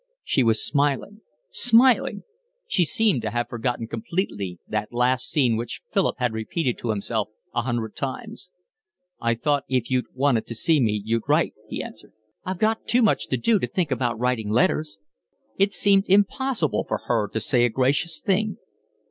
She was smiling. Smiling! She seemed to have forgotten completely that last scene which Philip had repeated to himself a hundred times. "I thought if you'd wanted to see me you'd write," he answered. "I've got too much to do to think about writing letters." It seemed impossible for her to say a gracious thing.